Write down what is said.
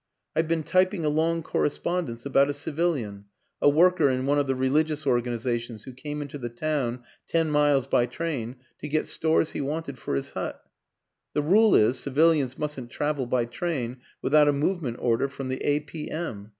I've been typing a long corre spondence about a civilian a worker in one of the religious organizations who came into the town, ten miles by train, to get stores he wanted for his hut. The rule is, civilians mustn't travel by train without a movement order from the A. P. M.